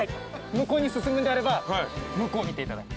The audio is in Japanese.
向こうに進むんであれば向こう見ていただく。